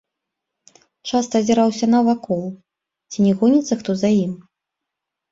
Часта азіраўся навакол, ці не гоніцца хто за ім.